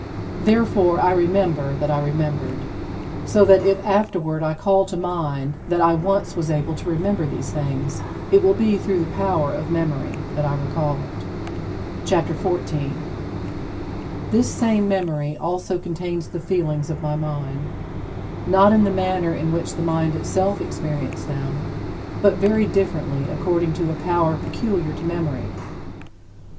Therefore, I remember that I remembered, so that if afterward I call to mind that I once was able to remember these things it will be through the power of memory that I recall it. CHAPTER XIV 21. This same memory also contains the feelings of my mind; not in the manner in which the mind itself experienced them, but very differently according to a power peculiar to memory.